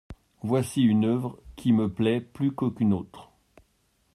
Voici une œuvre qui me plait plus qu’aucune autre.